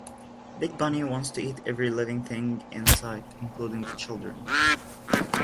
Big Bunny wants to eat every living thing in sight, including the children.